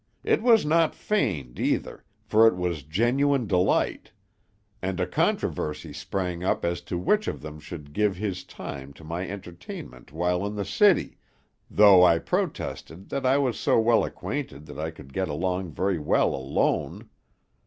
It was not feigned, either, for it was genuine delight; and a controversy sprang up as to which of them should give his time to my entertainment while in the city, though I protested that I was so well acquainted that I could get along very well alone.